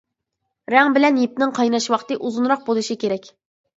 رەڭ بىلەن يىپنىڭ قايناش ۋاقتى ئۇزۇنراق بولۇشى كېرەك.